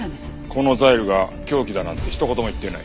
このザイルが凶器だなんて一言も言っていない。